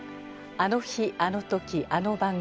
「あの日あのときあの番組」。